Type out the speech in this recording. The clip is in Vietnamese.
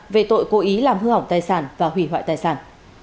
về tội cố ý làm hư hỏng tài sản và hủy hoại tài sản